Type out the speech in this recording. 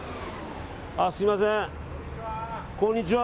すみません、こんにちは！